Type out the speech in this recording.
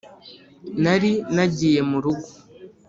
Nari nagiye mu rugo